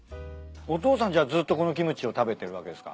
お父さんじゃあずっとこのキムチを食べてるわけですか？